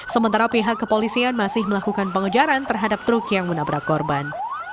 sementara pihak kepolisian masih melakukan pengejaran terhadap truk yang menabrak korban